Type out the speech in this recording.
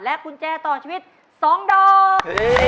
กุญแจต่อชีวิต๒ดอก